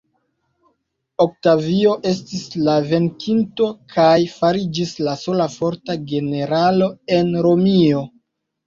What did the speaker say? Oktavio estis la venkinto kaj fariĝis la sola forta generalo en Romio.